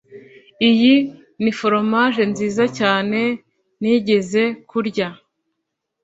iyi ni foromaje nziza cyane nigeze kurya.